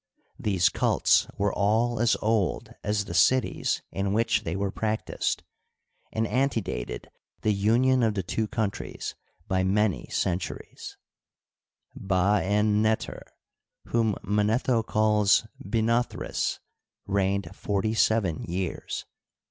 These cults were all as old as the cities in which they were practiced, and antedated the union of the two countries by many centuries, Ba en neter, whom Manetho calls Binothris, reigned forty seven years.